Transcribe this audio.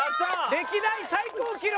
歴代最高記録。